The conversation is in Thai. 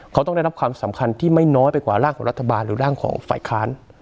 เขาต้องได้รับความสำคัญที่ไม่น้อยไปกว่าร่างของรัฐบาลหรือร่างของฝ่ายค้าน